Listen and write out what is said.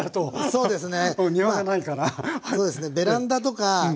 そうですね。